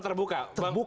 kotak kondoran ini terbuka